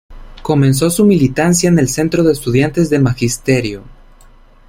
Comenzó su militancia en el centro de estudiantes de magisterio.